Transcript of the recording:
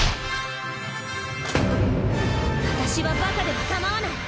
私はバカでも構わない。